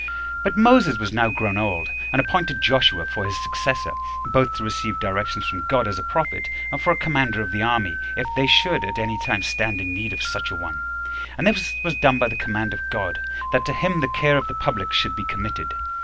2. But Moses was now grown old, and appointed Joshua for his successor, both to receive directions from God as a prophet, and for a commander of the army, if they should at any time stand in need of such a one; and this was done by the command of God, that to him the care of the public should be committed.